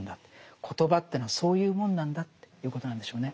コトバというのはそういうもんなんだっていうことなんでしょうね。